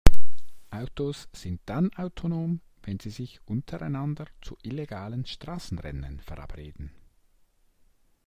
Autos sind dann autonom, wenn sie sich untereinander zu illegalen Straßenrennen verabreden.